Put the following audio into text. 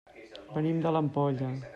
Venim de l'Ampolla.